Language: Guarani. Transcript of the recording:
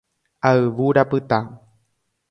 Ayvu rapyta.